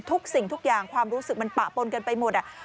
ทุกสิ่งทุกอย่างความรู้สึกมันปะปนกันไปหมด